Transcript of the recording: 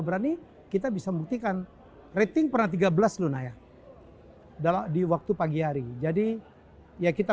berani kita bisa membuktikan rating pernah tiga belas lunanya dalam diwaktu pagi hari jadi ya kita